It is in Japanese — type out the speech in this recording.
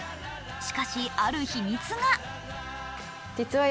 しかし、ある秘密が。